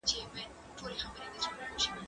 زه اجازه لرم چي سبزیحات جمع کړم؟!